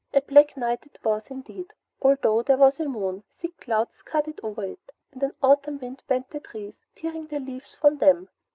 A black night it was indeed. Although there was a moon, thick clouds scudded over it and an autumn wind bent the trees, tearing the leaves from them.